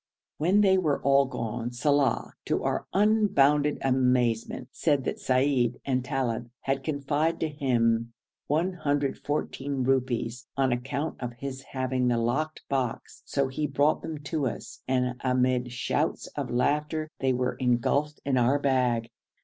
When they were all gone, Saleh, to our unbounded amazement, said that Seid and Talib had confided to him 114 rupees, on account of his having the locked box; so he brought them to us, and amid shouts of laughter they were engulfed in our bag.